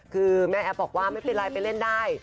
คือแม่แอฟบอกว่าไม่เป็นไรไปเล่นได้